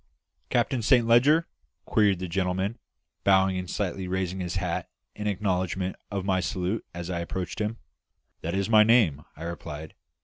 "Captain Saint Leger?" queried the gentleman, bowing and slightly raising his hat in acknowledgment of my salute as I approached him. "That is my name," I replied.